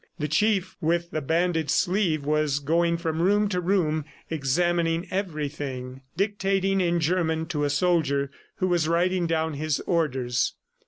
The chief with the banded sleeve was going from room to room examining everything, dictating in German to a soldier who was writing down his orders.